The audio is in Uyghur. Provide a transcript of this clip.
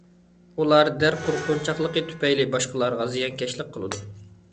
ئۇلار دەل قورقۇنچاقلىقى تۈپەيلى باشقىلارغا زىيانكەشلىك قىلىدۇ.